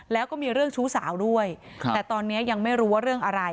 แล้วก็มีเรื่องชู้สาวด้วยแต่ตอนนี้ยังไม่รู้ว่าเรื่องอะไร